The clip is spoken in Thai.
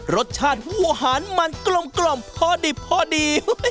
รสชาติหัวหารมันกรอบพอดี